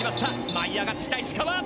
舞い上がってきた石川。